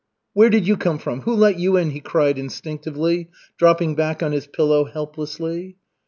Where did you come from? Who let you in?" he cried instinctively, dropping back on his pillow helplessly.